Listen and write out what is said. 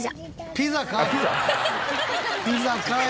ピザかい！